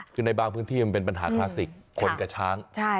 คือในบางพื้นที่มันเป็นปัญหาคลาสสิกคนกับช้าง